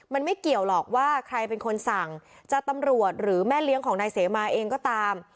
มันไม่เกี่ยวหรอกว่าใครเป็นคนสั่งจะตำรวจหรือแม่เลี้ยงของนายเสมาเองก็ตาม